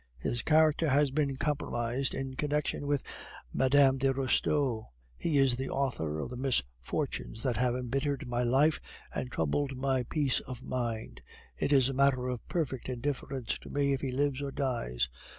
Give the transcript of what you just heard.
"His character has been compromised in connection with Mme. de Restaud; he is the author of the misfortunes that have embittered my life and troubled my peace of mind. It is a matter of perfect indifference to me if he lives or dies.